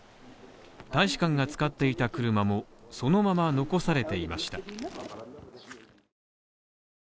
大使館が使っていた車もそのまま残されていました。